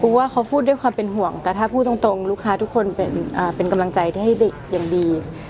ว่าเขาพูดด้วยความเป็นห่วงแต่ถ้าพูดตรงลูกค้าทุกคนเป็นกำลังใจที่ให้เด็กอย่างดี